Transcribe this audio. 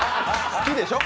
好きでしょ？